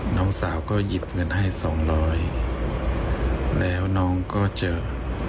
น้องสาวก็หยิบเงินให้สองร้อยแล้วน้องก็เจอ